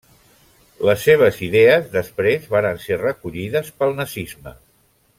Les seves idees després varen ser recollides pel nazisme.